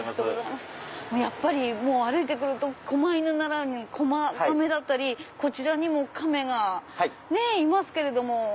やっぱり歩いて来るとこま犬ならぬこま亀だったりこちらにも亀がいますけれども。